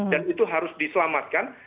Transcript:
dan itu harus diselamatkan